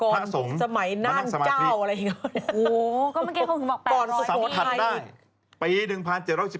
พระสงฆ์มานั่งสมาธิโอ้โฮก็เมื่อกี้เขาคือบอก๘๐๐นิยมีใครอีก